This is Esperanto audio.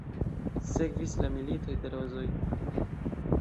Sekvis la Militoj de Rozoj.